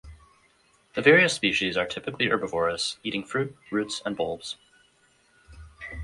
The various species are typically herbivorous, eating fruit, roots, and bulbs.